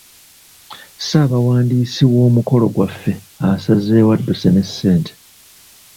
Ssaabawandiisi w’omukolo gwaffe asazeewo adduse ne ssente.